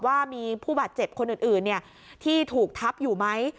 ว่ามีผู้บาดเจ็บคนอื่นที่ถูกทับอยู่ไหม